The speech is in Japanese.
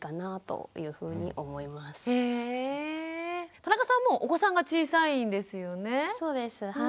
田中さんもお子さんが小さいんですよね。